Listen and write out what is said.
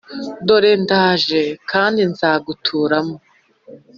Dore ndaje b kandi nzaguturamo